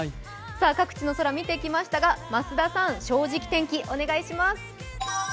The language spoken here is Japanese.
各地の空見てきましたが、増田さん「正直天気」お願いします。